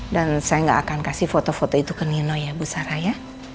dan saya gak akan kasih foto foto itu ke nino ya bu sarah ya